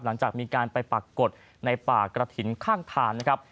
หลังจากมีการไปปรากฏในป่ากระถิ่นข้างฐานนะครับ